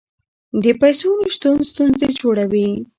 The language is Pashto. د پیسو نشتون ستونزې جوړوي.